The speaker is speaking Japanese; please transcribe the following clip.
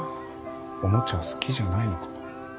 おもちゃ好きじゃないのかなぁ。